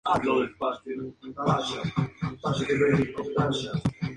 Es un coeficiente adimensional.